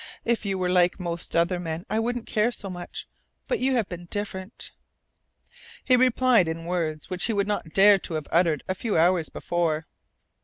If you were like most other men, I wouldn't care so much. But you have been different." He replied in words which he would not dare to have uttered a few hours before.